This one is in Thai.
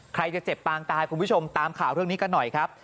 ใครจะเจ็บปางตายคุณผู้ชมตามข่าวเรื่องนี้กันหน่อยครับ